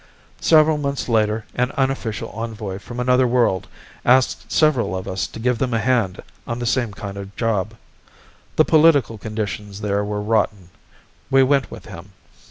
Several months later an unofficial envoy from another world asked several of us to give them a hand on the same kind of job. The political conditions there were rotten. We went with him.